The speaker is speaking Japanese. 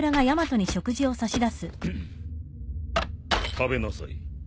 食べなさい。